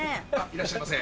いらっしゃいませ。